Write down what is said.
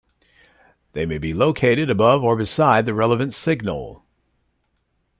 They may be located above or beside the relevant signal.